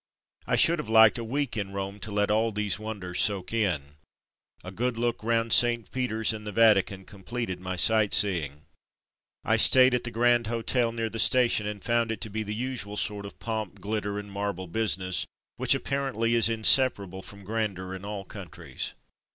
I should have liked a week in Rome to let all these wonders soak in. A good look round St. Peter's and the Vatican completed my sightseeing. I stayed at the Grand Hotel near the station, and found it to be the usual sort of pomp, glitter, and marble business, which apparently is inseparable from grandeur in all countries.